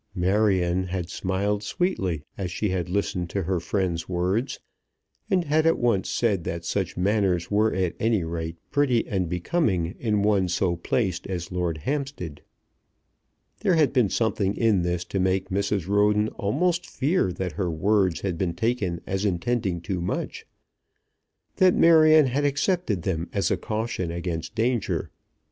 Marion had smiled sweetly as she had listened to her friend's words, and had at once said that such manners were at any rate pretty and becoming in one so placed as Lord Hampstead. There had been something in this to make Mrs. Roden almost fear that her words had been taken as intending too much, that Marion had accepted them as a caution against danger.